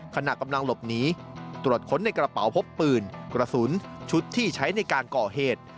ขณะกำลังหลบหนีตรวจค้นในกระเป๋าพบปืนกระสุนชุดที่ใช้ในการก่อเหตุ